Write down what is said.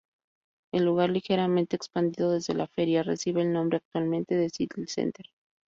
El lugar, ligeramente expandido desde la feria, recibe el nombre actualmente de Seattle Center.